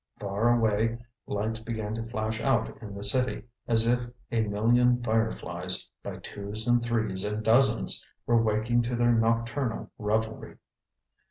Far away, lights began to flash out in the city, as if a million fireflies, by twos and threes and dozens, were waking to their nocturnal revelry.